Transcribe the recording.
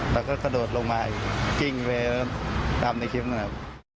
แล้วก็ขโดดลงมาอีกจริงไปตามในคลิปนั่นครับ